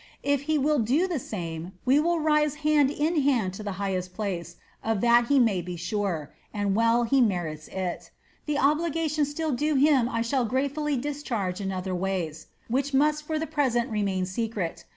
If he will do the same, we will rise hand in hand to the highest place, of that he may be sure and well he merits it. The obligation still due him I shall gratefully discharge in other ways, which must for the present remain secret.